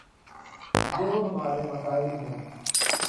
جو ہمارے مسائل ہیں۔